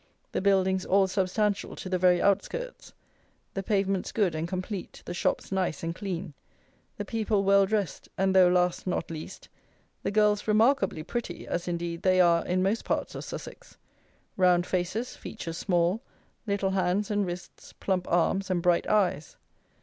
The buildings all substantial to the very out skirts; the pavements good and complete; the shops nice and clean; the people well dressed; and, though last not least, the girls remarkably pretty, as, indeed, they are in most parts of Sussex; round faces, features small, little hands and wrists, plump arms, and bright eyes.